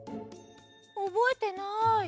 おぼえてない。